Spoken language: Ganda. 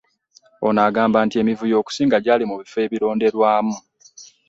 Ono agamba nti emivuyo okusinga gyali mu bifo ebironderwamu